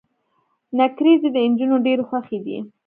نکریزي د انجونو ډيرې خوښې دي.